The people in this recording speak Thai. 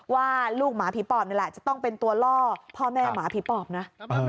ว่าลูกหมาผีปอบนี่แหละจะต้องเป็นตัวล่อพ่อแม่หมาผีปอบนะ